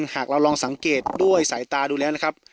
หากเราลองสังเกตด้วยสายตาดูแล้วนะครับ